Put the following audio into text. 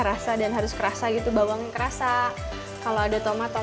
rasa dan harus kerasa gitu bawang merahnya ini juga bisa kita tambahin lagi garam kita bisa kasih lagi